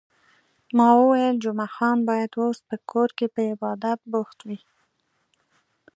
ما وویل، جمعه خان باید اوس په کور کې په عبادت بوخت وای.